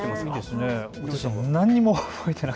私、何にも覚えていない。